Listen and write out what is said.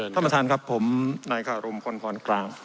ท่านประธานครับผมนายคารมพลพรกลาง